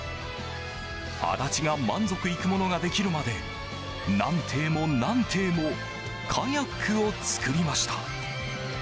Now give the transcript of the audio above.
足立が満足いくものができるまで何艇も何艇もカヤックを作りました。